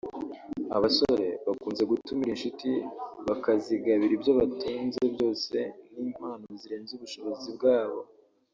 Abasore bakunze gutumira inshuti bakazigabira ibyo batunze byose n’impano zirenze ubushobozi bwabo